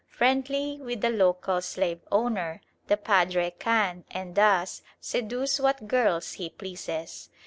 Friendly with the local slave owner, the padre can, and does, seduce what girls he pleases.